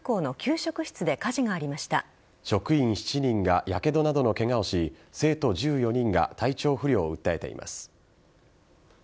職員７人がやけどなどのケガをし生徒１４人が体調不良を訴えています。